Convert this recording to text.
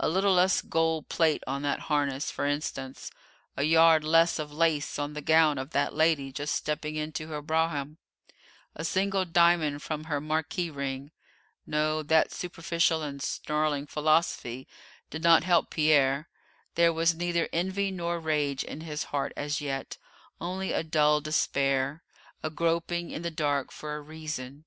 A little less gold plate on that harness, for instance, a yard less of lace on the gown of that lady just stepping into her brougham, a single diamond from her marquise ring no, that superficial and snarling philosophy did not help Pierre; there was neither envy nor rage in his heart as yet; only a dull despair, a groping in the dark for a reason.